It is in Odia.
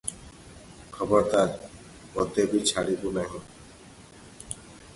ଖବରଦାର! ପଦେ ବି ଛାଡିବୁ ନାହିଁ ।"